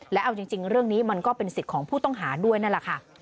และเอาจริงเรื่องนี้มันก็เป็นสิทธิ์ของผู้ต้องหาด้วยนั่นแหละค่ะ